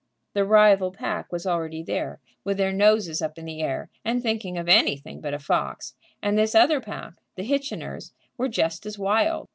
The rival pack was already there, with their noses up in the air, and thinking of anything but a fox; and this other pack, the Hitchiners, were just as wild.